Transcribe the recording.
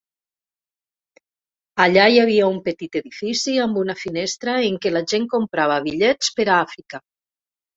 Allà hi havia un petit edifici, amb una finestra en què la gent comprava bitllets per a Àfrica.